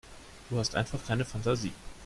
Du hast einfach keine Fantasie.